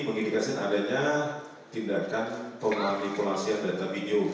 mengindikasikan adanya tindakan peng manipulasi data video